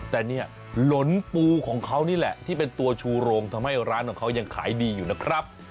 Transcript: แต่เนี่ยหลนปูของเขานี่แหละที่เป็นตัวชูโรงทำให้ร้านของเขายังขายดีอยู่นะครับ